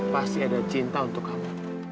pasti ada cinta untuk kamu